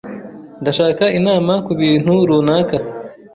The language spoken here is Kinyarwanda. Ndashaka inama kubintu runaka.